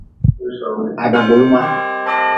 Ha dagbuli ma.